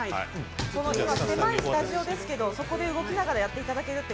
スタジオですけどそこで動きながらやっていただけると。